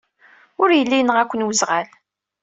Ur yelli yenɣa-ken weẓɣal.